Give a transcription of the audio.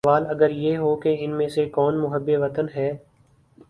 سوال اگر یہ ہو کہ ان میں سے کون محب وطن ہے